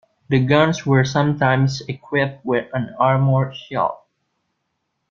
The guns were sometimes equipped with an armoured shield.